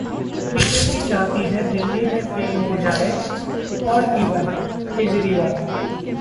BJP चाहती है दिल्ली में फेल हो जाए ऑड-इवन: केजरीवाल